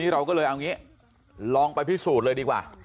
เราก็เลยเอางี้ลองไปพิสูจน์เลยดีกว่า